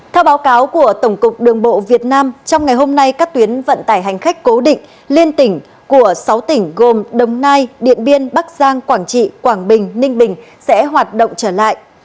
theo báo cáo của tổng cục đường bộ việt nam trong ngày hôm nay các tuyến vận tải hành khách cố định liên tỉnh của sáu tỉnh gồm đồng nai điện biên bắc giang quảng trị quảng bình ninh bình sẽ hoạt động trở lại